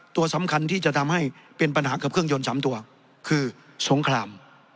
ตัวสำคัญที่จะทำให้เป็นปัญหากับเครื่องยนต์๓ตัวคือสงคราม